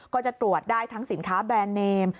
ก็จะตรวจได้ทั้งสินค้าแบรนด์เนม